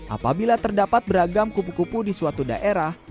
apabila terdapat beragam kupu kupu di suatu daerah